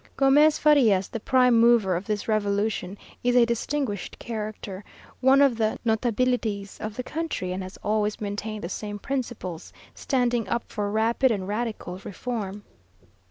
Gomez Farias, the prime mover of this revolution, is a distinguished character, one of the notabilities of the country, and has always maintained the same principles, standing up for "rapid and radical reform."